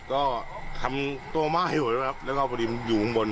ก็ทำต้มมาม่าอยู่นะครับแล้วก็พอดีอยู่ข้างบน